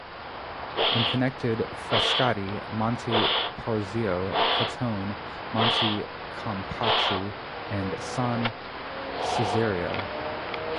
It connected Frascati, Monte Porzio Catone, Monte Compatri and San Cesareo.